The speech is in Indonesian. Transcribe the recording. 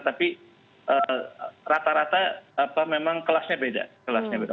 tapi rata rata memang kelasnya beda kelasnya